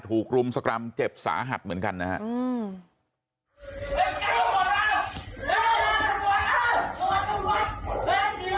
ถูกรุมสกรรมเจ็บสาหัสเหมือนกันนะฮะอืม